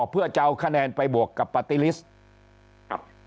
เพื่อจะเอาคะแนนไปบวกกับปาร์ตี้ลิสต์ครับ